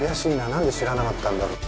何で知らなかったんだろう。